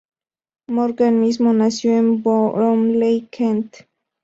Morgan mismo nació en Bromley, Kent.